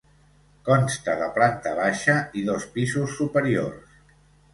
Consta de planta baixa i dos pisos superiors.